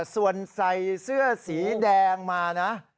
ส่วนใส่เสื้อสีแดงมานะ